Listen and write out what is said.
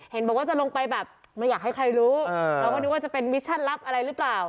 เห็นบอกว่าจะลงไปแบบไม่อยากให้ใครรู้เราก็นึกว่าจะเป็นมิชชั่นลับอะไรหรือเปล่า